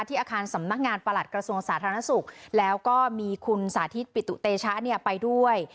อาคารสำนักงานประหลัดกระทรวงสาธารณสุขแล้วก็มีคุณสาธิตปิตุเตชะเนี่ยไปด้วย